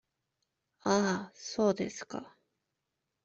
ああ、そうですか…。